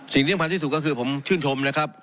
สิ่งที่ยังพันธุ์ที่สุดก็คือผมชื่นชมนะครับ